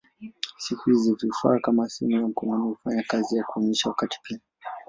Siku hizi vifaa kama simu ya mkononi hufanya kazi ya kuonyesha wakati pia.